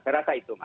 saya rasa itu